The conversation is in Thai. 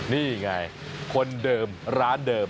นี่ไงคนเดิมร้านเดิม